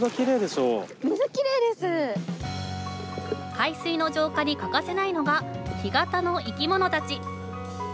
海水の浄化に欠かせないのが干潟の生き物たち。